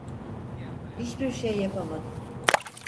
Hiçbir şey yapamadım.